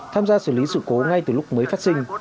tham gia xử lý sự cố ngay từ lúc mới phát sinh